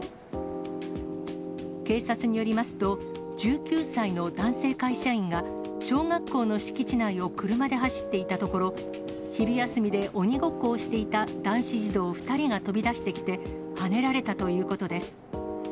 警察によりますと、１９歳の男性会社員が、小学校の敷地内を車で走っていたところ、昼休みで鬼ごっこをしていた男子児童２人が飛び出してきて、はねられたということです。